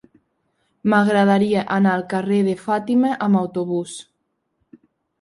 M'agradaria anar al carrer de Fàtima amb autobús.